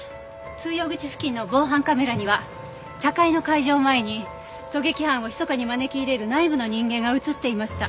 通用口付近の防犯カメラには茶会の開場前に狙撃犯をひそかに招き入れる内部の人間が映っていました。